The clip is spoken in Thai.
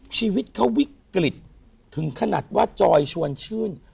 ชีวิตเขาวิกฤตถึงขนาดว่าจอยชวนชื่น